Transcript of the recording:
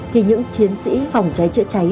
thì những chiến sĩ phòng cháy trợ cháy